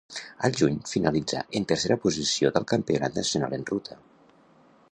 Al juny finalitzà en tercera posició del campionat nacional en ruta.